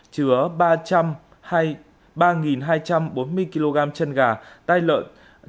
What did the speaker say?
chứa ba hai trăm bốn mươi kg chân gà tai lợn